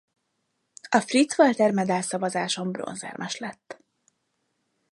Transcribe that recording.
A Fritz Walter-medál szavazáson bronzérmest lett.